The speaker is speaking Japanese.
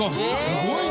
すごい。